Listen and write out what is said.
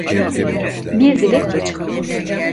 Bir dilek tut.